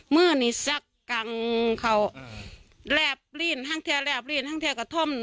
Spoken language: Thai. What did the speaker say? เมื่อนี้ซักกังเขาแหลบรีนทั้งเทียแหลบรีนทั้งเทียกระท่ม